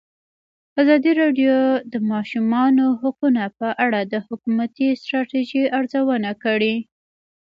ازادي راډیو د د ماشومانو حقونه په اړه د حکومتي ستراتیژۍ ارزونه کړې.